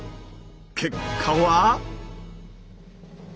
結果は。